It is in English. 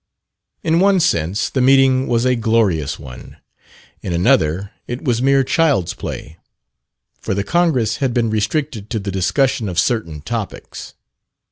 In one sense the meeting was a glorious one in another, it was mere child's play; for the Congress had been restricted to the discussion of certain topics.